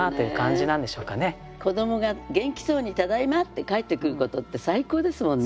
子どもが元気そうに「ただいま」って帰ってくることって最高ですもんね。